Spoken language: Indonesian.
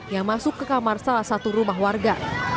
yang masuk ke kamar salah satu rumah warga